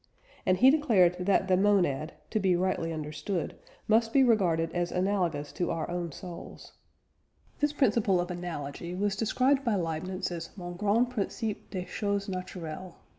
And he declared that the "monad," to be rightly understood, must be regarded as analogous to our own souls. This principle of analogy was described by Leibniz as mon grand principe des choses naturelles.